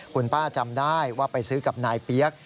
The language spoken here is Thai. คุณป้าจำได้ว่าไปซื้อกับนายเปี๊ยก